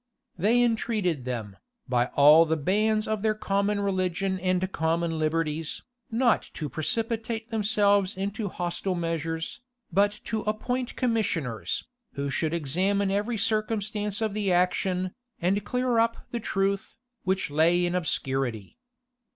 They entreated them, by all the bands of their common religion and common liberties, not to precipitate themselves into hostile measures, but to appoint commissioners, who should examine every circumstance of the action, and clear up the truth, which lay in obscurity.